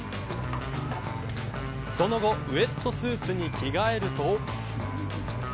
その後ウェットスーツに着替えると。